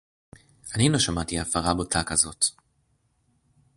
אני לא שמעתי הפרה בוטה כזאת